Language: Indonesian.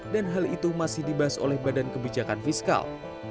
dan hal itu masih dibahas oleh badan kebijakan fiskal